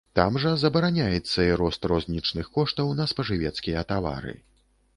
Там жа забараняецца і рост рознічных коштаў на спажывецкія тавары.